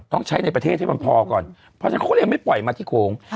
ต้องใช้ในประเทศให้มันพอก่อนเพราะฉะนั้นเขาก็เลยไม่ปล่อยมาที่โขง